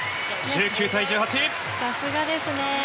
さすがですね。